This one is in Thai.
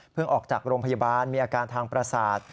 ออกจากโรงพยาบาลมีอาการทางประสาท